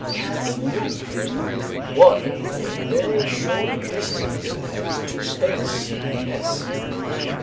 Cat loup. 1. A very short distance as to space (_S.